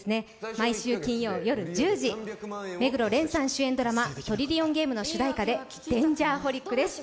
毎週金曜夜１０時、目黒蓮さん主演ドラマ「トリリオンゲーム」の主題歌で「Ｄａｎｇｅｒｈｏｌｉｃ」です。